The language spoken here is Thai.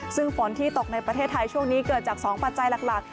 ซึ่งฝนที่ตกในประเทศไทยช่วงนี้เกิดจาก๒ปัจจัยหลัก